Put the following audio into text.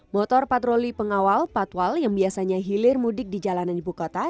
motor patroli pengawal patwal yang biasanya hilir mudik di jalanan ibu kota